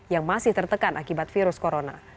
yang masih tertekan akibat virus corona